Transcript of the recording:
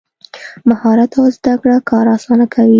مهارت او زده کړه کار اسانه کوي.